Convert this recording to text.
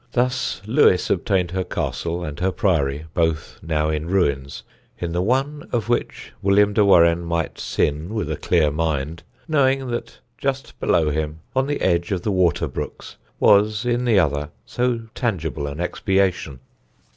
Thus Lewes obtained her castle and her priory, both now in ruins, in the one of which William de Warenne might sin with a clear mind, knowing that just below him, on the edge of the water brooks, was (in the other) so tangible an expiation.